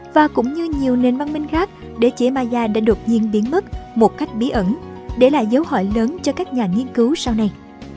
và cũng như nhiều nền văn minh khác đế chế maya đã đột nhiên biến mất một cách bí ẩn để lại dấu hỏi lớn cho các nhà nghiên cứu sau này